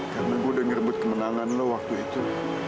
karena gue udah ngerebut kemenangan lo waktu itu